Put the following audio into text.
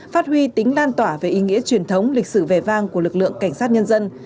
phát huy tính lan tỏa về ý nghĩa truyền thống lịch sử vẻ vang của lực lượng cảnh sát nhân dân